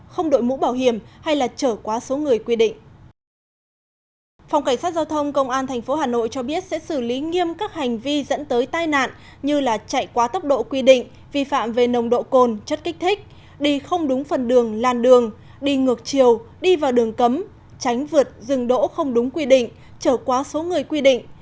phòng cảnh sát giao thông công an tp hà nội cho biết sẽ xử lý nghiêm các hành vi dẫn tới tai nạn như là chạy quá tốc độ quy định vi phạm về nồng độ cồn chất kích thích đi không đúng phần đường lan đường đi ngược chiều đi vào đường cấm tránh vượt dừng đỗ không đúng quy định trở quá số người quy định